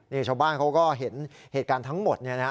นี่ชาวบ้านเขาก็เห็นเหตุการณ์ทั้งหมดเนี่ยนะ